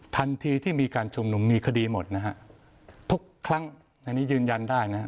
ทันทีที่มีการชุมนุมมีคดีหมดนะฮะทุกครั้งในนี้ยืนยันได้นะฮะ